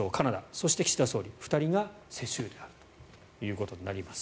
そして、岸田総理の２人が世襲であるということになります。